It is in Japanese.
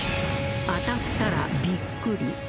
［当たったらびっくり］